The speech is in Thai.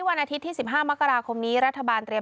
ทรงมีลายพระราชกระแสรับสู่ภาคใต้